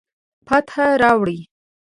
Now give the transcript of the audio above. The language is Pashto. فتح راوړي